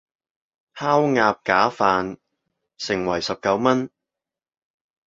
烤鴨架飯，盛惠十九文